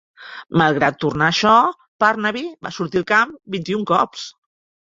Malgrat tornar a això, Parnaby va sortir al camp vint-i-un cops.